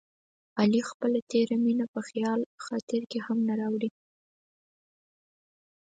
علي خپله تېره مینه په خیال خاطر کې هم نه راوړي.